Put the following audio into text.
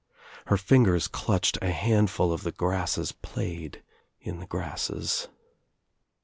Her fingers clutched a handful of the grasses, played in the grasses.